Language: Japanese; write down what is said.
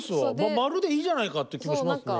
マルでいいじゃないかって気はしますね。